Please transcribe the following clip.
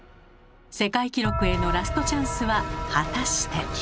世界記録へのラストチャンスは果たして。